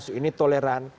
si ini toleran